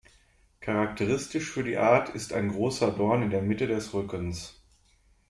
Charakteristisch für die Art ist ein großer Dorn in der Mitte des Rückens.